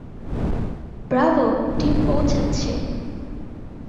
Bravo team পৌঁছাচ্ছে।